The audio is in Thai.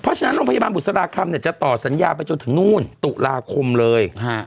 เพราะฉะนั้นโรงพยาบาลบุษราคำจะต่อสัญญาไปจนถึงนู่นตุลาคมเลย